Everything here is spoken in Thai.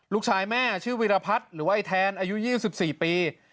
ลูกชายแม่ชื่อวิรพัฒน์หรือว่าไอ้แทนอายุ๒๔ปี